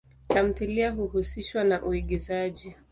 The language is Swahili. Tamthilia huhusishwa na uigizaji.